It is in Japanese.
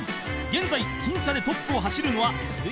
現在僅差でトップを走るのは水